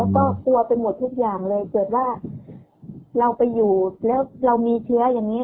ก็กลัวไปหมดทุกอย่างเลยเกิดว่าเราไปอยู่แล้วเรามีเชื้ออย่างนี้